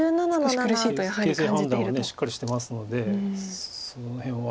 形勢判断はしっかりしてますのでその辺は。